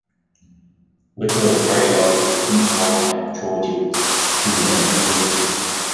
"Whipple" carried out her routine wartime patrol duties through the end of hostilities.